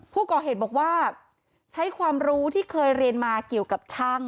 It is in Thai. ผู้ก่อเหตุบอกว่าใช้ความรู้ที่เคยเรียนมาเกี่ยวกับช่าง